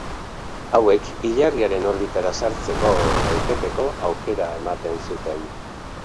Hauek, ilargiaren orbitara sartzeko eta irteteko aukera ematen zuten.